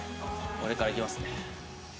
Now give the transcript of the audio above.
俺からいきますね。